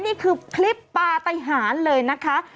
นี่คือคลิปปาไตหารเลยนะคะ